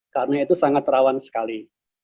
karena itu sangat rawan sekali